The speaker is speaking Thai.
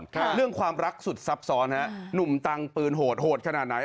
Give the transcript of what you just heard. เรื่องความรักสุดซับซ้อนฮะหนุ่มตังปืนโหดโหดขนาดไหน